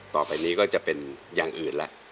ต่อไปนี้ก็จะเป็นอย่างอื่นแล้ว